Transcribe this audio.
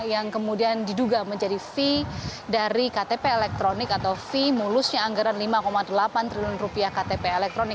yang kemudian diduga menjadi fee dari ktp elektronik atau fee mulusnya anggaran lima delapan triliun rupiah ktp elektronik